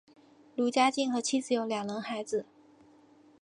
卢家进和妻子有两人孩子。